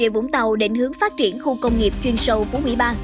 hậu định hướng phát triển khu công nghiệp chuyên sâu phú mỹ ba